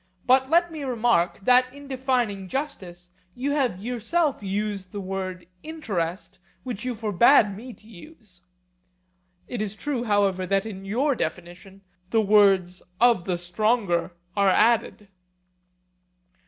But let me remark, that in defining justice you have yourself used the word 'interest' which you forbade me to use. It is true, however, that in your definition the words 'of the stronger' are added.